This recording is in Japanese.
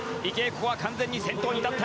ここは完全に先頭に立った。